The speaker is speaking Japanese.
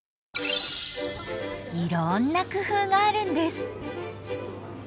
いろんな工夫があるんです。